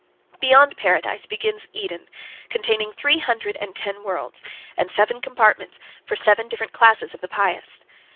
Beyond Paradise begins Eden, containing three hundred and ten worlds and seven compartments for seven different classes of the pious.